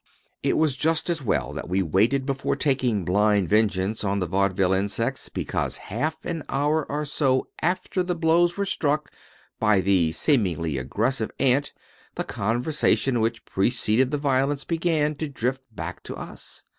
It was just as well that we waited before taking blind vengeance on the vaudeville insects, because half an hour or so after the blows were struck by the seemingly aggressive ant the conversation which preceded the violence began to drift back to us.